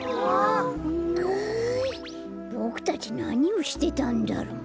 ボクたちなにをしてたんだろう？